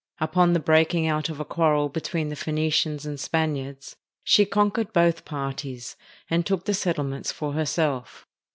Upon the breaking out of a quarrel be tween the Phoenicians and Spaniards, she conquered both parties, and took the settlements for herself.